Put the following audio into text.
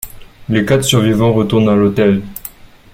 Les quatre survivants retournent dans l'hôtel.